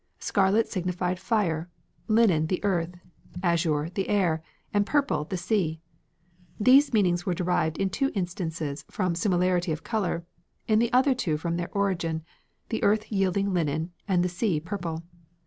Scarlet signified fire; linen, the earth; azure, the air; and purple, the sea. These meanings were derived in two instances from similarity of colour: in the other two from their origin, the earth yielding linen and the sea purple.